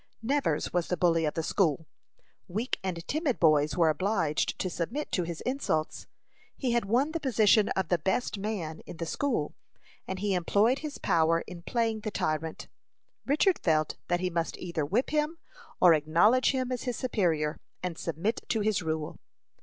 Nevers was the bully of the school. Weak and timid boys were obliged to submit to his insults. He had won the position of the "best man" in the school, and he employed his power in playing the tyrant. Richard felt that he must either whip him, or acknowledge him as his superior, and submit to his rule.